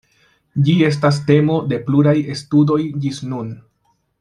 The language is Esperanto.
Ĝi estas temo de pluraj studoj ĝis nun.